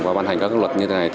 và ban hành các luật như thế này